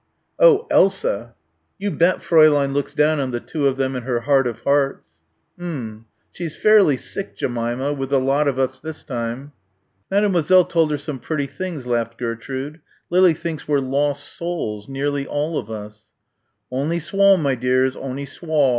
"Oh! Elsa." "You bet Fräulein looks down on the two of them in her heart of hearts." "M'm she's fairly sick, Jemima, with the lot of us this time." "Mademoiselle told her some pretty things," laughed Gertrude. "Lily thinks we're lost souls nearly all of us." "Onny swaw, my dears, onny swaw."